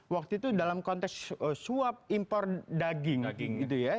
waktu itu dalam konteks suap impor daging gitu ya